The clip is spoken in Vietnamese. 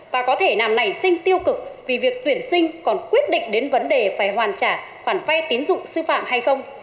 và có thể làm nảy sinh tiêu cực vì việc tuyển sinh còn quyết định đến vấn đề phải hoàn trả khoản vay tín dụng sư phạm hay không